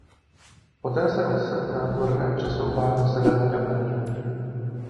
Poté se od srpna turné přesouvá do Severní Ameriky.